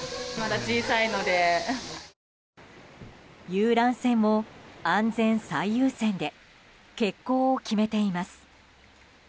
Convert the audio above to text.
遊覧船も安全最優先で欠航を決めています。